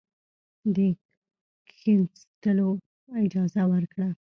د کښېنستلو اجازه ورکړه.